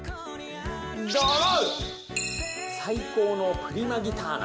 彩光のプリマギターナ。